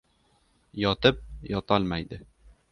Yotib yotolmadi.